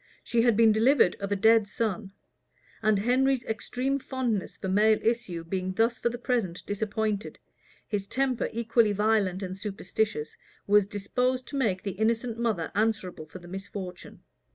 She had been delivered of a dead son; and Henry's extreme fondness for male issue being thus for the present disappointed, his temper, equally violent and superstitious, was disposed to make the innocent mother answerable for the misfortune.